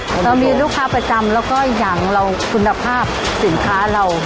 เรามีลูกค้าประจำแล้วก็อย่างเราคุณภาพสินค้าเรา